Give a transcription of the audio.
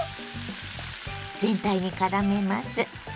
全体にからめます。